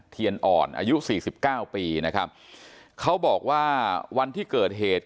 เทียนอ่อนอายุ๔๙ปีนะครับเขาบอกว่าวันที่เกิดเหตุ